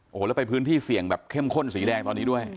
โอ้โหแล้วไปพื้นที่เสี่ยงแบบเข้มข้นสีแดงตอนนี้ด้วย